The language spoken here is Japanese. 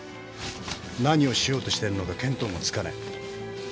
「何をしようとしてるのか見当もつかない」